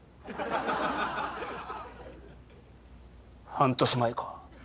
半年前か。